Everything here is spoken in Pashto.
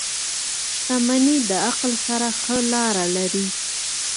• شتمني د عقل سره ښه لاره لري.